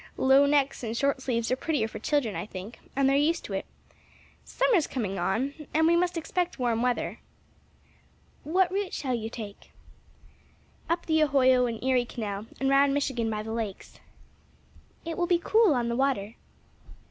Low necks and short sleeves are prettier for children, I think; and they're used to it. Summer's coming on, too, and we must expect warm weather." "What route shall you take?" "Up the Ohio and Erie Canal and round Michigan by the lakes." "It will be cool on the water."